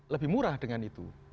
lebih murah dengan itu